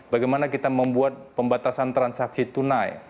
bagaimana kita membuat pembatasan transaksi tunai